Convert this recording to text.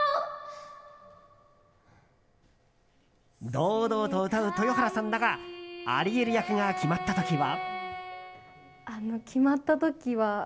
堂々と歌う豊原さんだがアリエル役が決まった時は。